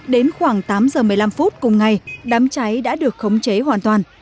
đến khoảng tám giờ một mươi năm phút cùng ngày đám cháy đã được khống chế hoàn toàn